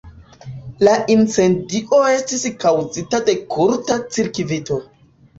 La incendio estis kaŭzita de kurta cirkvito.